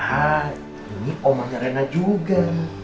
hai ini omahnya rena juga